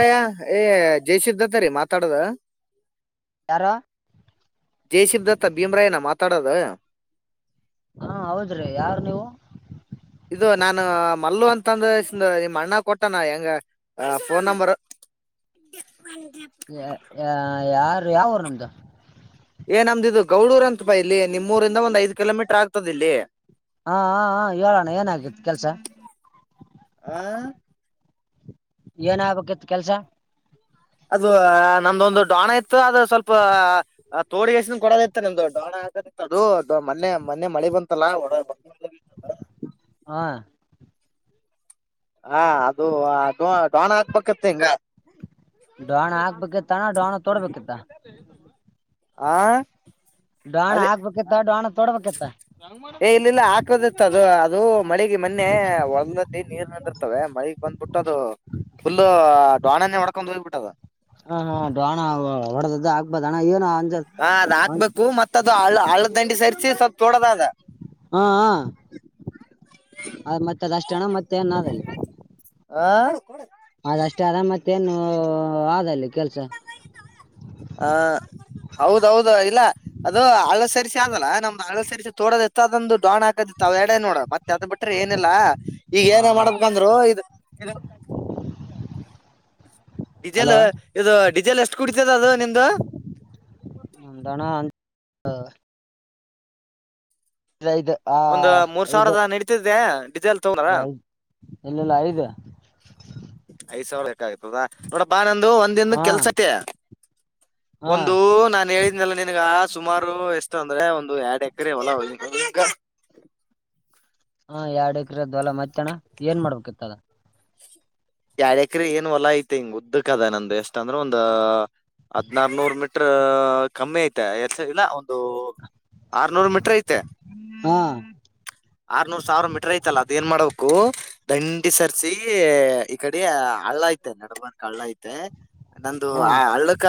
ಅಯ ಏ ಜಯ ಸ್ಧತ್ರಿೀ ಮಾತಾಡದ ಯಾರ ಜಯಶಿವ ದತ್ತ ಭೀಮ್ರಾಯನ ಮಾತಾಡದ ಹಾ ಹೌದ್ರಿ ಯಾರ್ ನೀವು ಇದು ನಾನು ಮಲ್ಲು ಅಂತಂದ ನಿಮ್ ಅಣ್ಣ ಕೊಟ್ಟಾನ ಹೆಂಗ ಫೋನ್ ನಂಬರ್ ಯಾರ್ ಯಾವುರ್ ನಿಮ್ದು ಏ ನಮ್ದಿದು ಗೌಡೂ ಅಂತ ಬಾ ಇಲ್ಲಿ ನಿಮ್ಮ ೂರಿಂದ ಒಂದ್ ಐದು ಕಿಲೋಮೀಟರ್ ಆಗ್ತದ ಇಲ್ಲಿ ಹಾ ಹ ಹ ಹೇಳೋಣ ಏನಾಗಿತ್ತು ಕೆಲ್ಸ ಹ ಏನ ಆಗ್ಬೇಕಿತ್ ಕೆಲ್ಸ ಅದು ನಮ್ದೊಂದು ಡೋಣ ಇತ್ತು ಅದು ಸ್ವಲ್ಪ ತೋಡಿ ಎಷ್ಟ ಕೊಡದ ಇತ್ತ ನಿಮ್ದು ಡೋಳದ ಇ ಅದು ಮೊನೆ ಮೊನೆ ಮಳೆ ಬಂತಲ್ಲ ಹಲೋ ಹಾ ಹಾ ಅದು ಡೋಣ ಹಾಕ್ಬೇತ್ತ ಹಿಂಗ ಡೋಾಣ ಹಾಕ್ಬೇಕಿ ತಣ ಡೋಾಣ ತೋಡ್ಬೇಕಿತ್ತ ಆಾ ಡಾಣ ಹಾಕ್ಬೇಕಿತ್ತ ಡಾಣ ತೊಡ್ಬೇಕೀ ತ್ತ ಏ ಇಲ್ಲ ಇಲ್ಲ ಹಾಕದಿತ್ತ ಅದು ಅದು ಮಳಿಗೆ ಮೊನ್ನೆ ಒಳದ್ದ ನೀರ್ ನಡಿಿರ್ತವೆ ಮಳಿ ಬಂದ್ ಂದ ಬಿಟ್ಟದು ಫುಲ್ ಡೊಣನೆ ಮಡ್ಕೊಂಡ್ ಹೋಗ್ಬಿಟ್ಟವ ಹ ಹಾ ದೋಣ ಹೊಡದ್ದ ಆಗ್ಬದ ಹಣ ಏನ ಹಾ ಅದ್ ಹಾಕ್ಬೇಕು ಮತ್ತ ಅದು ಆಳು ಆಳ್ ದಂಡಿ ಸೇರಿಸಿ ಸ್ವಲ್ಪ್ ತೊಡೋದ ಅದ ಹಾ ಹಾ ಅ ಮತ್ತೆ ಅ ದಷ್ಟಣ ಮತ್ತೆ ಅನ್ನಾದಲ್ಲಿ ಹಾ ಅದಷ್ಟೇ ಅರಾಮತ್ತ ಏನು ಆದಲ್ಲಿ ಕೆಲ್ಸ ಆ ಹೌದೌದು ಇಲ್ಲ ಅದು ಅಳ ಸರಿಸಿ ಅದಲ್ಲಾ ನಮ್ದ್ ಅಳ ಸರಿಸಿ ತೋಡೋದ ಎತ್ತದೊಂದು ದೋಣ ಹಾಕದು ದೆಡೆ ನೋಡ ಮತ್ತೆ ಅದ ಬಿಟ್ರೆ ಏನಿಲ್ಲ ಈಗ ಹಾ ಏನ ಮಾಡ್ಬೇಕಂದ್ರು ಇ ಡೀಜೆಲ್ ಹಲೋ ಇದು ಡೀಿಸೆಲ್ ಎಷ್ಟು ಕುಡತದ ಅದು ನಿಮ್ದು ಎಂತಾನ ಇದು ಆ ಒಂದ ಮೂರ್ ಐದು ಸಾವಿರದ ನಡೀತಿದ್ದೆ ಡೀಸೆಲ್ ತಗೊಂಡ್ರ ಐದು ಎಲ್ಲೆಲ್ಲಾ ಐದ ಬೇಕ್ತದ ನೋಡಪ್ಪಾ ನಂದು ಒಂದದಿನದು ಹಾ ಕೆಲ್ಸ ಐತಿ ಹಾ ಒಂದು ನಾನ್ ಹೇಳಿದ್ನಲ್ಲ ನಿಂಗ ಸುಮಾರು ಎಷ್ಟ ಅಂದ್ರೆ ಒಂದು ಎರಡ್ ಎಕರೆ ಹೊಲ ಹಾ ಎರಡ್ ಎಕ್ರದ್ವಲ ಮತ್ತನ ಏನ್ ಮಾಡ್ಬೇಕಿತ್ತ ಅದ ಯಾರ್್ಯಾಕ್ರಿ ಏನ್ ಹೊಲ ಐತೆ ಹಿಂಗ ಉದ್ದಕ್ ಅದ ನಂದು ಎಷ್ಟಂದ್ರೆ ಒಂದ ಹದ್ನಾರನೂರ್ ಮೀಟ್ರ ಕಮ್ಮಿ ಐತೆ ಎ ಇಲ್ಲ ಅದು ಆರ್ನೂರು ಮೀಟ್ರ ಐತೆ ಹಾ ಆರ್ನೂರ್ ಸಾವಿರ ಮಿಟ್ರ ಐತಲ್ಲ ಅದು ಏನ್ ಮಾಡ್ಬೇಕು ದಂಡಿ ಸರ್ರಿಸಿ ಈ ಕಡೆ ಹಳ್ಳ ಐತೆ ನಡಬಾರಕ್ ಹಳ್ಳ ಐತೆ ನಂದು ಹಾ ಆ ಹಳ್ಳಕ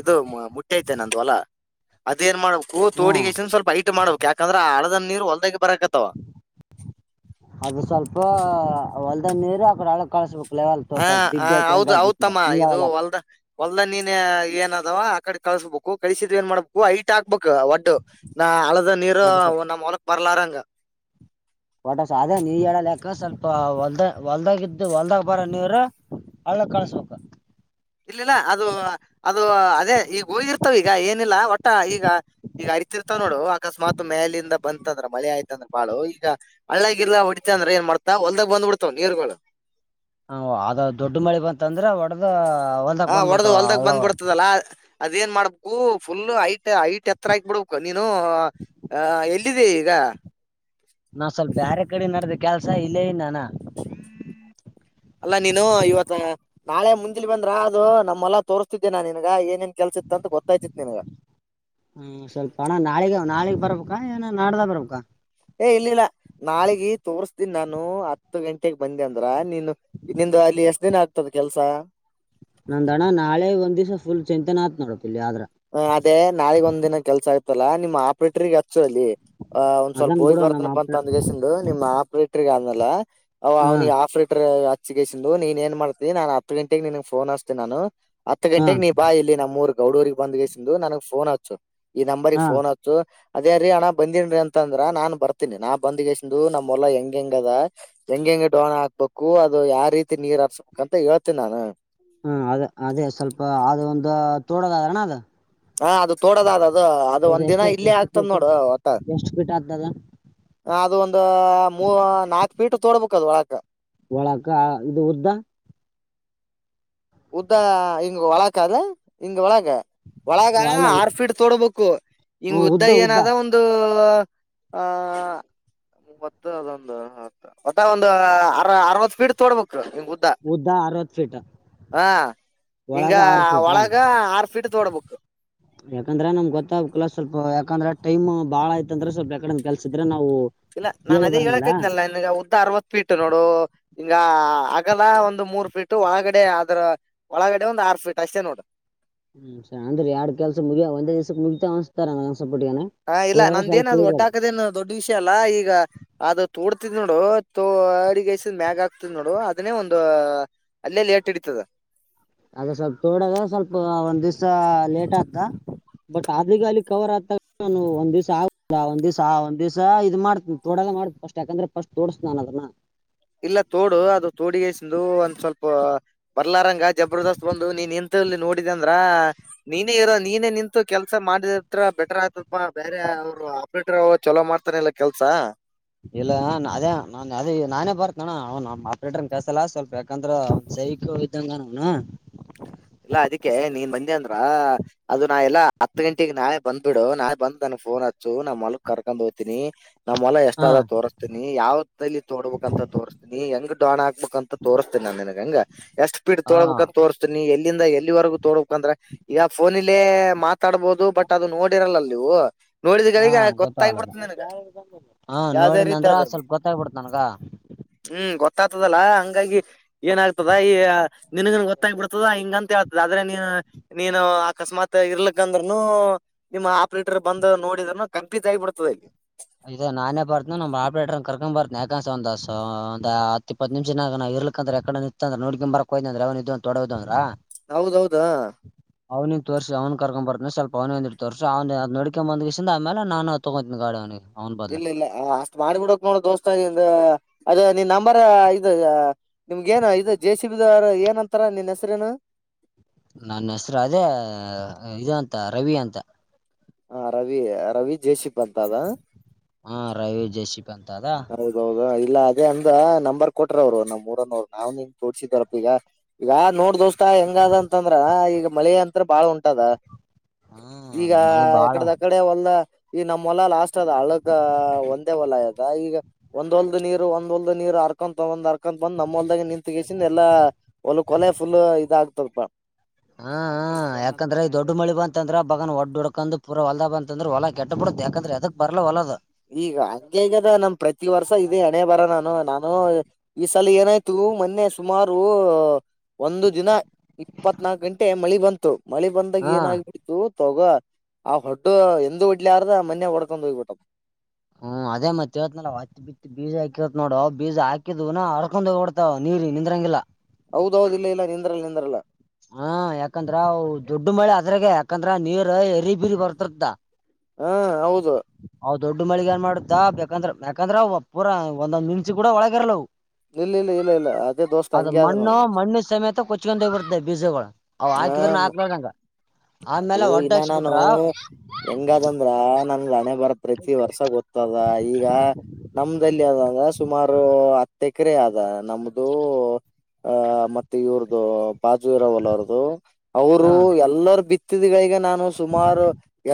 ಇದು ಮುಟ್ಟ್ಯಐತೆ ನಂದು ಹೊಲ ಅದೇಏನ್ ಮಾಡ ಹೂ್ ಹಾ ತೋಿಗೆೇಶಸನ್ ಸ್ವಲ್ ಐಟ್ ಮಾಡಬೇಕ ಯಾಕಂದ್ರ ಆ ಹಾಳಾದ ಆದ ನೀರು ಹೊಲ್ದೇ ಅದು ಸ್ವಲ್ಪ ಹೊಲ್ದಗ ನೀರು ಆಕಡೆ ಹಳ್ಳಗ್ ಕಳಸ್ಬೇಕ. ಹಾ ಹ ಹೌದು ಹೌತಮ್ಮ ನೀ ಇದು ಹೇಳಲ್ಲ ಹೊಲ್ದ ಹೊಲ್ದ ನೀನ್ ಏನದಾವ ಆ ಕಡೆ ಕಳ್ಸ್ಬೇಕು ಕಳಸಿದ್ ಏನ್ ಮಾಡ್ಬೇಕು ಐಟ್ ಆ ಬೇಕ್ ಒಡ್ಡು ನಾ ಹಳದ ನೀರು ಒಟ್ಟ ನಮ್ಮ್ ಹೊಲಕ್ ಬರ್ಲಾರಂಗ. ಒಟ್ಟ ಸಾದಾ ನೀ ಹೇಳ ಲೆಕ್ಕ ಸ್ವಲ್ಪ ಹೊಲ್ದ ಹೊಲ್ದಾಗ್ಇದ್ದ ಹೊಲ್ದಾಗ ಬರ ನೀರ ಹಳ್ಳಕ್ ಖಲ್ಸ್ಬೇಕ್. ಇಲ್ಲಿಲ್ಲ ಅದು ಅದು ಅದೇ ಈಗ ಹೋಗಿರ್ತವ ಈಗ ಏನಿಲ್ಲ ಒಟ್ಟ ಈಗ ಈಗ ಹರಿತಿರ್ತವ ನೋಡು ಅಕಸ್ಮಾತ್ ಮ್ಯಾಲಿಂದ ಬಂತ ಅಂದ್ರ ಮಳಿ ಆಯ್ತ ಅಂದ್ರ ಭಾಳು ಈಗ ಹಳ್ಳಾಗಿಲ್ಲಾ ಹೊಡಿತ ಅಂದ್ರೆ ಏನ್ ಮಾಡ್ತಾ ಹೊಲ್ದಾಗ ಬಂದ್ಬಿಡ್ತಾವ ನೀರ್ಗಳು. ಹ ಅದ ದೊಡ್ಡ ಮಳಿ ಬಂತಂದ್ರ ಒಡದ ಹೊಲ್ದಾಗ ಹಾ ಒಡದು ಬಂದ್ಬಿಡ್ತಾವ ಹೊಲ್ದಾಗ್ ಹಳ್ಳಗಳ ಬಂದ್ಬಡ್ತದಲ್ಲಾ ಅದ ಏನ್ ಮಾಡ್ಬೇಕು ಫುಲ್ ಹೈಟ್ ಹೈಟ್ ಎತ್ತರ ಹಾಕಿಬಿಡ್ಬೇಕು ನೀನು ಎಲ್ಲಿದೆ ಈಗ ಹಾ ನಾ ಸ್ವಲ್ಪ ಬ್ಯಾರೆ ಕಡೆ ನಡದ ಕೆಲ್ಸ ಇಲ್ಲೇ ಇನ್ನ ನಾನ್. ಅಲ್ಲಾ ನೀನು ಇವತ್ತ ನಾಳೆ ಮುಂಜಲಿ ಬಂದ್ರ ಅದು ನಮ್ಮ ಹೊಲಾ ತೋರ್ಸ್ತಿದ್ದೇ ನಾ ನಿನ್ಗ ಏನೇನ್ ಕೆಲ್ಸ ಇತ್ತ ಅಂತ ಗೊತ್ತಾಯ್ತಿತ್ ನಿನಗ. ಹ್ಮ ಸ್ವಲ್ಪ ಅಣ್ಣ ನಾಳಿಗ ನಾಳೆಗ್ ಬರ್ಬೇಕಾ ಏನ ನಾಡ್ದ ಬರ್ಬೇಕಾ. ಏ ಇಲ್ಲಿಲ್ಲ ನಾಳಿಗ ತೋರ್ಸ್ತಿನಿ ನಾನು ಹತ್ತು ಗಂಟೆಗ ಬಂದಿ ಅಂದ್ರ ನೀನು ನಿಂದ್ ಅಲ್ಲಿ ಎಷ್ಟ ದಿನ ಆಗ್ತದ ಕೆಲ್ಸಾ. ನಂದ ಅಣ್ಣ ನಾಳೆ ಒಂದ ದೀವ್ಸ ಫುಲ್ ಚಂತನಾ ಆಯ್ತ್ದ ನೋಡ. ಹ ಅದೇ ನಾಳಿಗ್ ಒಂದ್ ದಿನ ಕೆಲ್ಸ ಆಯ್ತಲ್ಲಾ ನಿಮ್ಮ್ ಆಪ್ರೇಟರ್ಗ್ ಹಚ್ಚು ಅಲ್ಲಿ ಆ ಒಂದ್ ಸ್ವಲ್ಪ ಅದನ್ ಹೋಗಿ ಬಿಡು ನಮ್ಮ ಬರ್ತನಪ್ಪ ಅಪ್ಪ ಅಂತ ಅಂದ್ಕೇಶಿಂದು ನಿಮ್ಮ್ ಆಪ್ರೇಟರ್ಗ ಆಮ್ಮೇಲ್ ಅವ್ ಹಾ ಅವ್ನಿಗೆ ಆಫ್ರೇಟರ್ ಹಚ್ಚಿಗೆಸಿಂದು ನೀನ್ ಏನ್ ಮಾಡ್ತತಿ ನಾನ್ ಹತ್ತ ಗಂಟೆಗೆ ನಿನ್ ಫೋನ್ ಹಚ್ಚ್ತೆ ನಾನು. ಹತ್ ಹಾ ಗಂಟೆಗ ನೀ ಬಾ ಇಲ್ಲಿ ನಮ್ಮ ಊರ್ ಗೌಡೂರಿಗೆ ಬಂದ್ಗೆಸಿಂದು ನನಗ ಫೋನ್ ಹಚ್ಚು. ಈ ನಂಬರ್ರಿಗ್ ಹಾ ಫೋನ್ ಹಚ್ಚು. ಅದೇ ರೀ ಅಣ್ಣ ಬಂದೇನ್ ರೀ ಅಂತಂದ್ರ ನಾನ್ ಬರ್ತೀನಿ ನಾ ಬಂದ್ಗೆಸಿಂದು ನಮ್ಮ ಹೊಲ ಹೆಂಗೆಂಗ ಅದ ಹೆಂಗ ಹೆಂಗೆ ಡೋಣ ಹಾಕ್ಬೇಕು ಅದು ಯಾವ ರೀತಿ ನೀರ್ ಹಾರ್ಸ್ಬೇಕು ಅಂತ ಹೇಳ್ತೇನಿ ನಾನು. ಹ್ಮ ಅದ ಅದೇ ಸ್ವಲ್ಪ ಅದು ಒಂದು ತೋಡದದಾರಣ ಅದು. ಹಾ ಅದು ತೋಡೋದ ಅದ ಅದು ಅದು ಒಂದ್ ದಿನ ಎಷ್ಟು ಇಲ್ಲೇ ಎಷ್ಟು ಆಗ್ತದ ಫೀಟ್ ನೋಡು ಒಟ್ಟ. ಎಷ್ಟು ಫೀಟ್ ಆಗ್ತದ ಅದ ಒಂದ ಮೂ ನಾಕ್ ಫೀಟ್ ತೋಡ್ಬೇಕ ಅದ ಒಳಕ. ಒಳಕ ಇದು ಉದ್ದ. ಉದ್ದ ಹಿಂಗ ಒಳಕ್ ಅದ ಹಿಂಗ ಒಳಗ್ ಒಳಗ ಅಲ್ಲ ಆರ್ಫೀಡ್ ತೋಡ್ಬೇಕು ಹಿಂಗ್ ಉದ್ದ ಏನಾದ ಒಂದು ಅ ಆ ಮೂವತ್ತು ಅದೊಂದು ಹತ್ತ ಒಟ್ಟ ಒಂದ ಅರ ಅರವತ್ತು ಫೀಟ್ ತೋಡ್ಬೇಕು. ಉದ್ದ ಅರವತ್ತ ಫೀಟ. ಹಾ ಹಿಂಗ ಒಳಗ ಆರ ಫೀಟ್ ತೋಡ್ಬೇಕೂ. ಯಾಕಂದ್ರೆ ನಮ್ ಗೊತ್ತಾಗ್ಬೇಕಲಾ ಸ್ವಲ್ಪ ಯಾಕಂದ್ರ ಟೈಮ್ ಬಾಳ ಆಯತ ಅಂದ್ರ ಸ್ವಲ್ಪಕಡ ಕೆಲ್ಸಿದ್ರ ನಾವ ಇಲ್ಲ ನಾನ್ ಅದೇ ಹೇಳಕ್ತ್ನಲ್ಲ ನಾ ನಿನಗ್ ಊದ್ದ ಊದ್ದ ಅರವತ್ ಫೀಟ್ ನೋಡು ಹಿಂಗ ಅಗಲ ಒಂದು ಮೂರ್ ಫೀಟ್ ಒಳಗಡೆ ಅದ್ರ ಒಳಗ ಕಡೆ ಒಂದ ಆರ ಫೀಟ್ ಅಷ್ಟೇ ನೋಡು. ಹ್ಮ್ ಸ ಅಂದ್ರೆ ಯಾಡ್ ಕೆಲ್ಸ ಮುಗಿಯ ಒಂದೇ ದಿವಸಕ್ಕೆ ಮುಗತಾ ಅನ್ಸ್ತಾ ನಂಗ್ ಹಾ ಇಲ್ಲ ನಂದೇನ ಅದು ಒಡ್ಡ ಹಾಕದೇನ ದೊಡ್ಡ ವಿಷಯ ಅಲ್ಲಾ ಈಗ ಅದು ತೋಡ್ತಿದ್ ನೋಡು ತ ಅಡಿಗೈಸಿಂಧ್ ಮ್ಯಾಗ ಹಾಕ್ತಿ ನೋಡು ಅದನ್ನೇ ಒಂದು ಅಲ್ಲೇ ಲೆಟ್ ಹಿಡತದ. ರ ಅದು ಸ್ವಲ್ಪ ತೋಡದ ಸ್ವಲ್ಪ ಒಂದ್ ದಿವ್ಸ ಲೇಟ್ ಆತದ. ಬಟ್ [unintelligible] ಕವರ್ ಆಗ್ತ ನಾನು ಒಂದ ದಿವ್ಸ ಆಗಿಲ್ಲ ಒಂದ್ ದಿವ್ಸ ಆ ಒಂದ ದಿವ್ಸ ಇದು ಮಾಡ್ತನ ತೋಡದ ಮಾಡ್ತೇನ್ ಫಸ್ಟ್ ಯಾಕಂದ್ರ ಫರ್ಸ್ಟ್ ತೊಡಸ್ತನ್ ನಾನ ಅದ ಹ್ಮ ಇಲ್ಲ ತೋಡು ಅದು ತೋಡಿಗೆಸಿಂದು ಒಂದ್ ಸ್ವಲ್ಪ ಬರ್ಲ ರಂಗ ಜಬರ್ದಸ್ತ್ ಬಂದು ನೀನ್ ನಿಂತ ಲ್ಲಿ ನೋಡಿದೆ ಅಂದ್ರ ನೀನೇ ಇರೋ ನೀನೇ ನಿಂತು ಕೆಲ್ಸ ಮಾಡಿದತ್ರ ಬೆಟರ್ ಆಯ್ತಪಾ ಬೇರೆ ಅವರು ಆಪ್ರೇಟರ್ ಅವ ಚಲೋ ಮಾಡ್ತಾನಲ್ಲ ಕೆಲ್ಸ ಇಲ್ಲ ಅದೇ ನಾನ್ ಅದೇ ನಾನೇ ಬರ್ತಣ್ಣ ಅವ ನಮ್ಮ್ ಆಪ್ರೇಟರ್ ಕಸಲ್ಲ ಸ್ವಲ್ಪ ಯಾಕಂದ್ರೆ ಸೈ ಇೋ ವಿಧಂಗ ನನಾ ಇಲ್ಲಾ ಅದಕ್ಕೆ ನೀನ್ ಬಂದೆ ಅಂದ್ರ ಅದು ನಾ ಎಲ್ಲಾ ಹತ್ತು ಗಂಟಗ್ ನಾಳೆ ಬಂದ್ಬಿಡು ನಾಳೆ ಬಂದ್ ಅನ್ ಫೋನ್ ಹಚ್ಚು ನಾ ಮಲ್ಕ್ ಕರ್ಕೊಂಡ ಹೋಗ್ತೀನಿ ನಾವ್ ಮಲ ಎಷ್ಟ ಹಾ ಆದದ ತೋರಿಸಸ್ತೀನಿ ಯಾವ್ೈಲ್ಲಿ ತೋಡ್ಬೇಕು ಅಂತ ತೋರಿಸ್ತೀನಿ ಹೆಂಗ್ ಡೋನ್ ಹಾಕ್ಬೇಕು ಅಂತ ತೋರಿಸ್ತೀನಿ ನ ನನ್ಗ ಹಂಗ ಎಷ್ಟ್ ಸ್ಪೀಡ್ ಹಾ ತೋಡ್ಬೇಕಕ್ ಅಂತ ತೋರ್ಸ್ತೀನಿ ಎಲ್ಲಿಂದ ಎಲ್ಲಿವರೆಗೂ ತೋಡ್ಬೇಕು ಅಂದ್ರೆ ಈಗ ಫೋನ ಇಲ್ಲಿ ಅಲ್ಲೇ ಮಾತಾಡ್ಬೋದು ಬಟ್ ಅದು ನೋಡಿರಲ್ಲ ನೀವು ನೋಡಿದ ಹಾ ಗಳಿಗೆ ಗೊತ್ತಾಗಲ್ಲ ಗೊತ್ತಾಗ್ಬಿಡ್ತದೆ ನಿನಗ ಹ ಯಾವ್ದೇ ನೋಡಿದ ರೀತಿ ಅಂದ್ರ ಆದ್ರ ಸ್ವಲ್ಪ ಗೊತ್ತಾಗ್ಬಿಡತ ನನ್ಗ ಹ್ಮ್ ಗೊತ್ತಾಗ್ತದಲ್ಲಾ ಹಂಗಾಗಿ ಏನ ಆ್ತದ ಈ ನಿನಗನ್ ಗೊತ್ತಾಗಿಬಿಡ್ತದ ಂತ ಹತದೆ ಆದ್ರೆ ನೀ ನೀನು ಅಕಸ್ಮಾತ್ ಇರ್ಲಿಕ್ಕ ಅಂದ್ನು ನಿಮ್ಮ ಆಪ್ರೇಟರ್ ಬಂದ ನೋಡಿದ್ರ ಕಂಪಿತತ್ ಆಗಿಬಿಡ್ತದೆ ಇಲ್ಲಿ ಇದೆ ನಾನೇ ಬರ್ತನ ನಮ್ ಆಪ್ರೇಟರ್ ಕರ್ಕೊಂಡ್ ಬರ್ತನನೆ ಯಕಂಸ ಒಂದ ಒಂದ್ ಹತ್ತ ಇಪ್ಪತ್ತು ನಿಮಷಾಗ ನ ಇರ್ಕ್ ಅ್ರ ಎಡೆ ನಿಂತ ಅ್ರ ನೋಡ್ಿ ಬಕೋಯ ಅ್ರ ಅವ್ನ ಇದ ತಡೋದ ಅ್ರ ಹೌದೌದಾ ಅವ್ನಿಗೆ ತೋರಿಸಿ ಅವ್ನು ಕರ್ಕೊಂಬರ್ತಾನನ ಸ್ವಲ್ ಅವನ ಒಂದಿಟ್ಟ ತೋರ್ಿ ಅವ್ ಅ ನಡಕೊ ಬಂದ್ಸಿಂದ ಆಮೇಲೆ ನಾನು ತೊಗೋತಿನನ ಗಾಡಿ ಅವನಿಗೆ ಅವ್ನ್ ಬದ್ಲ ಇಲ್ಲ ಇಲ್ಲ ಅಷ್ಟ್ ಮಾಡಿಬಿಡಕ್ ನೋಡ ದೋಸ್ತಾ ಇದ ಅದೇ ನಿನ್ ನಂಬರ್ ಇ ನಿಮ್ಗೇನು ಇದು ಜೆ ಸಿಬಿದವ ಏನ್ ಅಂತಾರ ನಿನ್ ಹೆಸ್ರೇನು ನನ್ನ ಹೆಸರು ಅದೇ ಇ ಅಂತ ರವಿ ಅಂತ ಹ ರವಿ ರವಿ ಜಯಶಿ ಹಾ ರ ಜಸ ಹೌದೌದು ಇಲ್ಲ ಹಾಗೆ ಅ ನಂಬರ್ ಕೊಟ್ರ ಅವ್ರು ನಮ್ಮ್ ಮೂರನ್ೋ್ ನಾವ್ ನಿ ತೋಡ್ಸಿದಾರಪ್ಪ ಈಗ ಈಗ ನೋಡ್ ದೋಸ್ತಾ ಹೆಂಗ ಅಂತಂದ್ರ ಈಗ ಮಳೆ ಅಂತ ಹ ಬಾಳ ಉಂಟದ ಹಾ ಈಗ ಮಳೆ ಬಾಳ ಎಕಡದಕಡೆ ಒಲ್ಲ ಈಗ ನಮ್ಮ್ ಹೊಲ ಲಾಸ್ಟ್ ಅದ್ ಹಳಗ ಒಂದೇ ಹೊಲ ಆಯ ಒಂದ್ಲ್ ನೀರು ಒಂದ ಒಲ್ದ ನೀರ್ ಅರ್ಕ ಒ್ ಅರ್ಕಂತ ಬಂದ್ ಲ್ದಾಗ ನಿಂತಗಸ ಎಲ್ಲಾ ಒಲ್ ಕೊಲೆ ಫುಲ್ ಇದ ಆಾಗತಲ್ಪಾ ಹಾ ಯಾಕಂದ್ರೆ ಈ ದೊಡ್ಡ ಮಳಿ ಬಂತಂದ್ರ ಬಗನ್ ಒಡ್ ಹುಡಕಂದ್ ಪುರ ಹೊಲ್ದ ಬಂತಂದ್ರ ಹೊಲ ಕೆಟ್ಟ ಬಿಡ ಯಾಕಂದ್ರೆ ಅದಕ್ ಬರ್ಲ್ಲ ಒಲದ ಈಗ ಹಂಗಗೆ ಹಗದ ನಮ್ ಪ್ರತಿ ವರ್ಷ ಇದೆ ಎಣೆ ಬರ ನಾನು ನಾನು ಈ ಸಲ ಏನಾಯ್ತು ಮೊನ್ನೆ ಸುಮಾರು ಒಂದು ದಿನ ಇಪ್ಪತ್ನಾಾಕು ಗಂಟೆ ಮಳಿ ಬಂತು ಮಳೆ ಬಂದಾಗ ಹಾ ಏನಾಗಗ್ಬಿಡ್ತು ತೋಗ ಆ ಹೊುಡ್ಡು ಎಂದ ಉಡ್ಲಿ ಆಾರ್ದ ಮನ್ಯಾಗ ಹೊಡ್ಕೊಂಡ್ ಹೋಗ್ಬಿಟ್ಟದ ಹ್ಮ್ ಅದೇ ಮತ್ತ್ತೇವತ್ನಲ ಹತ್ತ ಬಿತ್ ಬೀಜ ಹಾಕಿರತ್ತತ್ ನೋಡ್ ಬೀಜ ಹಾಕಿದ್ುನಾ ಅಡ್ಕೊಂಡೋಗಡ್ತಾವ ನೀ ರಿ ನಿಂದ್ರಂಗಿಲ್ಲ ಹೌದೌದ ಇಲ್ಲ ಇಲ್ಲ ನಿಂದ್ರಲ್ಲ ನಿಂದ್ರಲ್ಲ ಹಾ ಯಾಕಂದ್ರ ದೊಡ್ ಮಳೆ ಅದ್ರಾಗ ಯಾಕಂದ್ರ ನೀರ್ ಎರಿ ಬಿೀರಿ ಬರ್ತರ್ತ್ತ ಹಾ ಹೌದು ಅವವು ದೊಡ್ಡ ಮಳಗ್ ಏನ್ ಮಾಡ್ತಾ ಬೇಕಂದ್ರೆ ಯಾಕಂದ್ರ ಅವವು ಪೂರಾ ಒಂದೊಂದ ನಿಮಿ ಕೂಡ ಒಳಗರಲ್ಲವು ಇಲ್ಲ ಇಲ್ಲ ಇಲ್ಲ ಇಲ್ಲ ಅದೇ ದೋಸ್ತ್ ಅದು ಹಂಗೆ ಅದ ನೋಡ ಮಣ್ಣು ಮಣ್ಣು ಸಮೇತ ಕೊಚ್ಕೊಂಡ ಬರ್ತೇ ಅವ್ ಹಾಕಿದ್ರ ಹ ಹಾಕ್ಂಗ ಅದು ಇನ್ನ ನಾನು ಹೆಂಗದಂದ್ರ ನನ್ ರನೆೆ ಬರ್ತ್ತ ಪ್ರತಿ ವರ್ಷ ಗೊತ್ತದ ಈಗ ನಮ್ದಲ್ಲಿ ಅದಂದ್ರ ಸುಮಾರು ಹತ್ತು ತಕರೆ ಅದ ನಮ್ದು ಆಹ ಮತ್ತೆ ಇವ್ರ್ದು ಬಾಜು ಇರಾವಲ್ ಅವರದು ಹ ಅವರು ಎಲ್ಲರ ಬಿತ್ತಿದ್ಗಳಿಗೆ ನಾನು ನು ಸುಮಾರು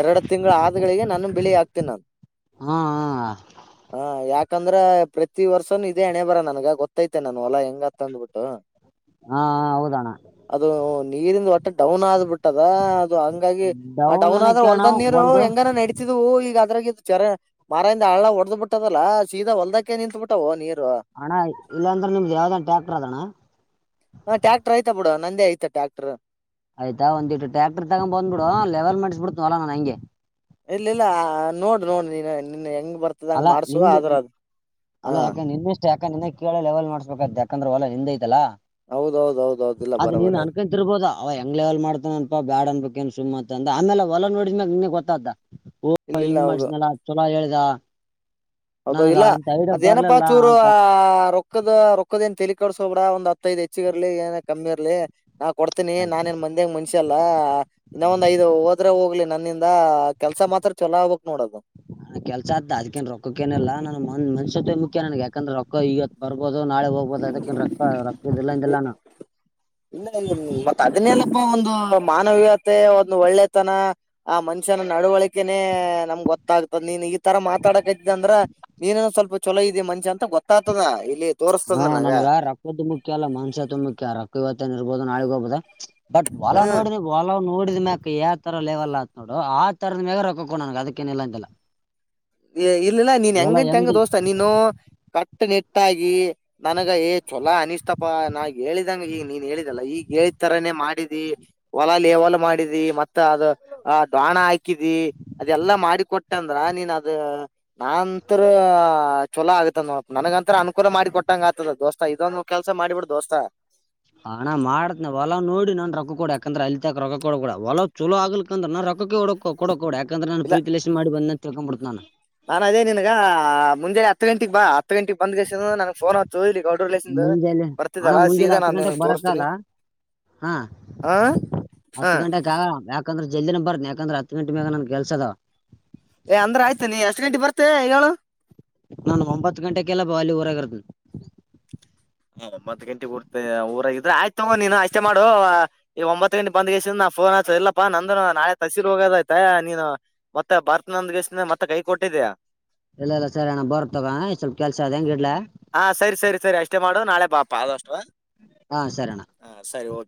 ಎರಡು ತಿಂಗಳ ಆದಗಳಿಗೆ ನಾನು ಬೆಳಿ ಹಾಕ್ತೇನಿ ನನ್ ಹಾ ಹಾ ಯಾಕ್ ಯಾಕಂದ್ರ ಪ್ರತಿ ವರ್ಷನು ಇದೇ ಅಣೆ ಬರ ನನ್ಗ ಗೊತ್ತೈತೆ ನಾನ ಹೊಲಾ ಹೆಂಗತ್ತ ಅಂದ್ಬಿಟ್ಟು. ಹಾ ಹೌದಣ. ನೀರಿಂದ ಒಟ್ಟ ಡೌನ್ ಆಗ ಅದ ಅದು ಹಂಗಾಗಿ ಆ ಡೌನ್ ಆದ್ರೆ ಅನಕಣ ಹೊಲ್ದನ್ ನೀರು ಒಂದು ಹೆಂಗಾನ ನೆಡತಿದ್ವು ಈಗ.. [unintelligible] ಚ ಕೆರೆ ಮರದಿಂದ ಅಳ್ಳ ಹೊಡೆದ್ ಬಿಟ್ಟದಲ್ಲ ಸೀದ ಹೊಲ್ದಕ್ಕೆ ನಿಂತತ್ ಬಿಟ್ಟವು ನೀ ಅಣ್ಣ ಇಲ್ಲಾಂದ್ರೆ ನಿಮ್ದ್ ಯಾವ್ದನ್ ಟ್ಯಾಕ್ಟರ್ ಅದಣ್ಣ. ಹಾ ಟ್ರ್ಯಾಕ್ಟರ್ ಆಯ್ತಾ ಬಿಡ ನಂದ ಆಯತೆ ಟ್ಯಾಕ್ಟರ್. ಆಯ್ತಾ ಒಂದ ಇಟು ಟ್ರ್ಯಾಕ್ರ್ ತಗೊಂಡ್ ಬಂದ್ಬಡು ಲೆವೆಲ್ ಮಾಡಿಸ್ಬಿಡ್ತನ ವಲಾ ನಾ ಹಂಗೆ. ಇಲ್ಲ ಇಲ್ಲ ನೋಡು ನೋಡ್ ನೀ ನನ್ ಹೆಂಗ [unintelligible] ಬರ್ತದ ಹಂಗ ಅಲ್ಲ ಮಾಡ್ಸುವ ಆದ್ರ ಅದು ಹಾ. ಯಾಕಂದ ಕೇಳ ಲೆವೆಲ್ ಮಾಡುಸ್ಬೇಕೈತೆ ಯಾಕಂದ್ರೆ ಹೊಲ ನಿಂದ ಐತಲ್ಲ. ಹೌದೌದ ಹೌದೌದು ಇಲ್ಲ ಅದೇ ನೀನ್ ಬರೋಬರಿ ಅದು ಅನ್ಕೊಂತಿರ್ಬೋದು ಅವ ಹೆಂಗ್ ಲೆವೆಲ್ ಮಾಡ್ತಾನನ್ಪಾ ಬ್ಯಾಡ್ ಅನ್ಬೇಕ [unintelligible] ಸುಮತ ಅಂದ ಆಮೇಲೆ ಹೊಲ ನೋಡಿದ್ಮಾಗ ನಿ ಗೊತ್ತ ಇಲ್ಲಿಲ್ಲ ಹಿಂಗ ಹೌದು ಮಾಡಸ ಚಲೋ ಹೇಳ ಹೌದ ಇಲ್ಲ ಐಡಿಯಾ ಅದೇನಪ್ಪಾ ಬರ್ಲಿಲ್ಲ ಚೂರು ಅಂತ ಆ ರೊಕ್ಕದ ರೊಕ್ಕದನ್ ತೆಲಿ [unintelligible] ಕೆಡುಸ್ಕೋ ಬೇಡ ಹತ್ತೈದ್ ಹೆಚ್ಚಿಗ ಇರ್ಲಿ ಏನ ಕಮ್ಮಿ ಇರ್ಲಿ. ನಾ ಕೊಡ್ತೀನಿ ನಾನೇಏನ್ ಮಂದ್ಯಾಗ ಮನ್ಷ್ಯ ಅಲ್ಲಾ ಇನ್ನೊ ಒಂದ್ ಐದು ಹೋದ್ರೆ ಹೋಗ್ಲಿ ನ [unintelligible] ಕೆಲಸ ಮಾತ್ರ ಚೊಲೋ ಹೋಗ್ಬೇಕ್ ನೋಡದು. ನನ್ಗ ಕೆಲ್ಸ ಅತ್ತ ಅದ್ಕೇನ್ ರೊಕ್ಕೇನಲ್ಲ ನಾನನ್ ಮನ್ಷ್ಯತ್ವ ಮುಖ್ಯ ನನ್ಗೆ ಯಾಕಂದ್ರೆ ರೊಕ್ಕ ಇವತ್ ಬರ್ಬೋದು. ಅದು ನಾಳೆ ಹೋಗ್ಬಹುದು ಅದಕ್ಕಿನ್ ರೊಕ್ಕ ರೊಕ್ಕ ಇಲ್ಲಾಂದಿಲ್ಲಲ್ಲಾ ನಾ. ಇಲ್ಲ ಒ ಅದನ್ನೇನಪ್ಪಾ ಒಂದು ಮಾನವೀಯತೆ ಒಂದು ಒಳ್ಳೆತನ. ಆ ಮನುಷ್ಯನ ನಡವಳಿಕೆನೇ ನಮ್ಗ್ ಗೊತ್ತಾಗ್ತದ ನೀನ್ ಈ ತರ ಮಾತಾಡಕತಿದ್ದ ಅಂದ್ರ ನೀನ ಸ್ಲ್ ಸ್ವಲ್ಪ ಚಲೋದೆ ಮನ್ಶ್ಯ ಅಂತ ಗೊತ್ತತದ ಇಲ್ಲಿ. ತೋರ್ಸ್ತದ ಹಾ ನನಗ ನನ್ಗ ರೊಕ್ಕದ್ದು ಮುಖ್ಯ ಅಲ್ಲ ಮನ್ಷ್ಯತ್ವ ಮುಖ್ಯ ರೊಕ್ಕ ಇವತ್ತೇನ ಇರ್ಬೋದು ನಾಳಿಗ್ ಹೋಗಬೋದು. ಬಟ್ ವಲ ಹ್ಮ ನೋಡಿದ್ರ ವಲ ನೋಡ. [unintelligible] ಮ್ಯಕ್ ಯಾವ ತರ ಲೆವಲ್ ಆತ್ ನೋಡು ಆ ತರದ ಮ್ಯಾಗ ರೊಕ್ಕ ಕೋಡು ನನ್ಗ್ ಅದಕ್ಕೇಏನಿಲ್ಲ ಅಂತಿಲ್ಲ. ಇಲ್ಲಿಲ್ಲ ನೀನ್ ಹೆಂಗಂತ ಹಂಗ ದೋಸ್ತಾ ನೀನು ಪ್ಯಕ್ಟ ಒಟ್ಟಾಗಿ ನನಗ ಏ ಚೊಲೋ ಅನಿಸ್ತಪ್ಪ ನಾ ಹೇಳಿದಂಗ ಈಗ ನೀನ್ ಹೇಳಿದಲ್ಲ ಈಗ ಹೇಳಿದ್ ತರಾನೇ. ಮಾಡಿದಿ ಹೊಲ ಲೇವಲ್ ಮಾಡಿದಿ ಮತ್ತ ದಾಣ ಹಾಕಿದಿ ಅದೆಲ್ಲ. ಮಾಡಿ ಕೊಟ್ಟಂದ್ರ ನೀನ್ ಅದ ನಾಂತರ ಚೊಲೋ ಆಗತ ನೊಡಪ್ಪ ನನಗಂತ ಅನುಕೂಲ ಮಾಡಿ ಕೊಟ್ಟಂಗ ಆತದ ದೋಸ್ತ. ಇದೊಂದು ಕೆಲ್ಸ ಮಾಡಿಬಿಡ್ ದೋಸ್ತ. ಹಾಣ ಮಾಡತನೆ ಹೊಲ್ ನೋಡಿ ನಾ ರೊಕ್ಕ ಕೊಡ ಯಾಕಂದ್ರೆ ಅಲ್ಲಿ ತಕ ರೊಕ್ಕ ಕೊಡಬೇಡ ಹೊಲ ಚಲೋ ಆಗ್ಲಿಕ್ಕ ಅಂದ್ರ ನ ರೊ ಹಕ ಕೊಡ ಕೊಡಕ ಕೊಡ್ ಯಾಕಂದ್ರ ನಾನ ಪ್ರೀತಿ ಲಸ ಮಾಡ ಬಂದ ಅಂತ ತಿಳ್ಕೊಂಬಿಡ್ತಿ ನಾನು. ನಾನ ಅದೇ ನಿನ್ಗ ಮುಂಜೆನೆ ಹತ್ತು ಗಂಟಿಗ್ ಬಾ. ಹತ್ತು ಗಂಟೆಗೆ ಬಂದ್ ದೆಸೆಯಿಂದ ಫೋನ್ ಹಚ್ಚುಇ ಗೌಡರ್ ಲಿಂದ ಮುಂಜಾನೆ ಅಣ್ಣ ಬರ್ತದಲ್ಲ ಮುಂಜಾನೆ ಸೀದಾ ಹತ್ತು ನಾನು ನ ಗಂಟೆಗೆ ತೋರ್ತೀನಿ. ಬರಕಲ್ಲ ಹಾ ಹ ಹತ್ತು ಗಂಟೆಕಗ ಯಾಕಂದ್ರೆ ಜಲ್ದಿನೆ ಬರ್ ಯಾಕಂದ್ರ ಹತ್ ಗಂಟಿ ಮ್ಯಲ ನನ್ಗ್ ಕೆಲ್ಸ ಇದಾವ. ಮತ್ತೆ ಹೇಳು. ನಾನು ಒಂಬತ್ತು ಗಂಟೆಕಲ್ಲ ಬಾಲಿ ಊರಾಗಿರ್ತೀನಿ. ಒಂಬತ್ ಗಂಟೆ ಊರ್ ಊರಾಗ ಇದ್ರ ಆಯ್ತ ತಗೊಂಡ ನೀನು ಅಷ್ಟೇ ಮಾಡು ಈ ಒಂಬತ್ ಗಂಟೆ ಬಂದ್ ಸೇನ ಫೋನ್ ಆಚ್ಚ ಇಲ್ಲಪ್ಪಾ ನಂದ ನಾಳೆ ತಸಿರು ಹೋಗೋದಯ್ತೆ ನೀನು ಮತ್ತೆ ಬರ್ತ ನಂದ ಇಷ್ಟ ಮತ್ತೆ ಕೈ ಕೊಟ್ಟಿದ್ದ್ಯ. ಇಲ್ಲ ಎಲ್ಲ ಸರಿ ಅಣ್ಣ ಬರ್ ತಗಣ ಸ್ವಲ್ಪ ಕೆಲ್ಸ ಅ ಹೆಂಗ ಇಡ್ಲ ಹಾ ಸರಿ [unintelligible] ಮಾಡು ನಾಳೆ ಪಾಪ ಆದಷ್ಟು ಹಾ ಸರಿ ಅಣ್ಣ ಹ ಸರಿ ಓ